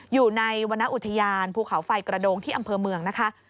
อยู่ในวรรณอุทยานภูเขาไฟกระโดงที่อำเภอเมืองนะคะ